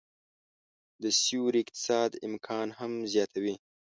د سیوري اقتصاد امکان هم زياتوي